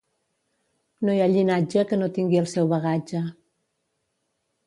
No hi ha llinatge que no tingui el seu bagatge.